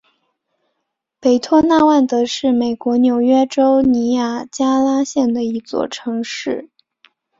北托纳万达是美国纽约州尼亚加拉县的一座城市。